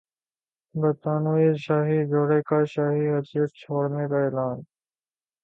برطانوی شاہی جوڑے کا شاہی حیثیت چھوڑنے کا اعلان